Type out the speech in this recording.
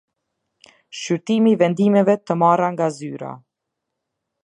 Shqyrtimi i vendimeve të marra nga Zyra.